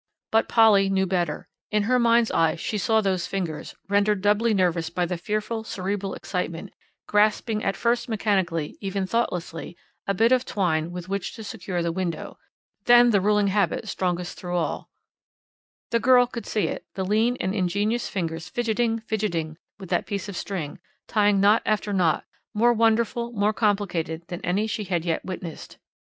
But Polly knew better. In her mind's eye she saw those fingers, rendered doubly nervous by the fearful cerebral excitement, grasping at first mechanically, even thoughtlessly, a bit of twine with which to secure the window; then the ruling habit strongest through all, the girl could see it; the lean and ingenious fingers fidgeting, fidgeting with that piece of string, tying knot after knot, more wonderful, more complicated, than any she had yet witnessed.